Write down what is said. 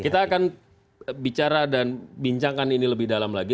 kita akan bicara dan bincangkan ini lebih dalam lagi